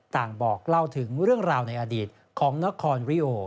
บอกเล่าถึงเรื่องราวในอดีตของนครริโอ